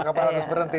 karena harus berhenti